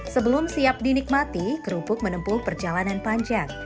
sebelum siap dinikmati kerupuk menempuh perjalanan panjang